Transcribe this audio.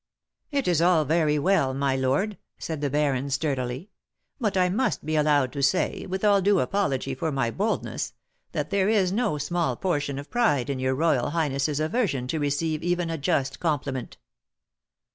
"It is all very well, my lord," said the baron, sturdily; "but I must be allowed to say (with all due apology for my boldness) that there is no small portion of pride in your royal highness's aversion to receive even a just compliment."